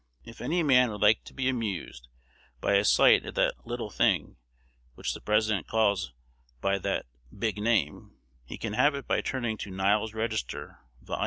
If any man would like to be amused by a sight at that little thing, which the President calls by that big name, he can have it by turning to "Niles's Register," vol.